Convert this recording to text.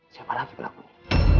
siapa lagi berlakunya